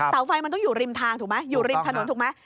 เสาไฟมันต้องอยู่ริมทางถูกไหมอยู่ริมถนนถูกไหม